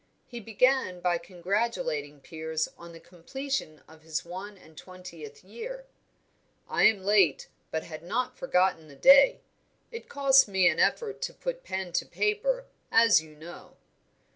He began by congratulating Piers on the completion of his one and twentieth year. "I am late, but had not forgotten the day; it costs me an effort to put pen to paper, as you know."